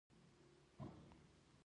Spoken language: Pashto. په زړه کي باید د خلکو سره مینه ولری.